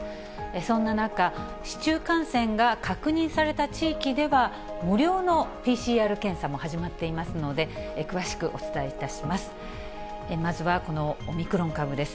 そんな中、市中感染が確認された地域では、無料のＰＣＲ検査も始まっていますので、詳しくお伝えいたします。